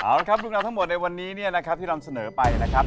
เอาละครับลูกน้องทั้งหมดในวันนี้ที่เราเสนอไปนะครับ